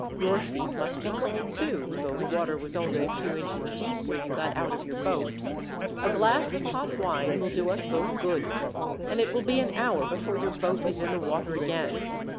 Your feet must be cold, too, though the water was only a few inches deep where you got out of your boat. A glass of hot wine will do us both good; and it will be an hour before your boat is in the water again.